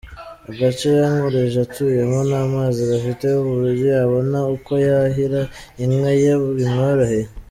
Agace Yankurije atuyemo nta mazi gafite ku buryo yabona uko yuhira inka ye bimworoheye.